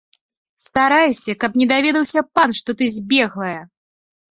Старайся, каб не даведаўся пан, што ты збеглая!